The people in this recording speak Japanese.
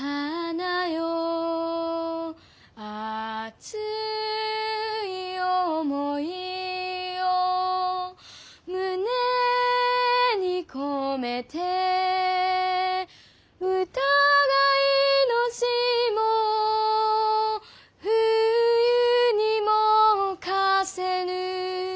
「熱い思ひを胸にこめて」「疑いの霜を冬にもおかせぬ」